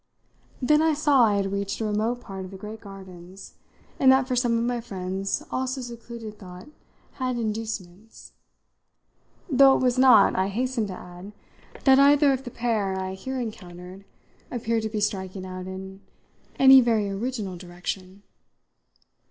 Then I saw I had reached a remote part of the great gardens, and that for some of my friends also secluded thought had inducements; though it was not, I hasten to add, that either of the pair I here encountered appeared to be striking out in any very original direction.